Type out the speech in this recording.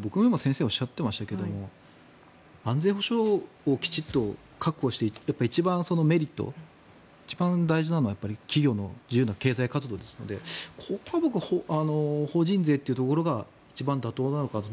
僕、でも先生おっしゃっていましたが安全保障をきちんと確保して一番そのメリット一番大事なのは企業の自由な経済活動ですのでここは法人税というところが一番妥当なのかなと。